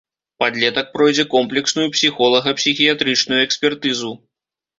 Падлетак пройдзе комплексную псіхолага-псіхіятрычную экспертызу.